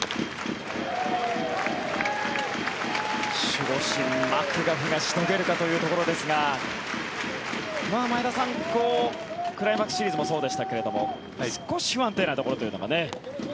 守護神、マクガフがしのげるかというところですが前田さんクライマックスシリーズもそうでしたが少し不安定なところというのが。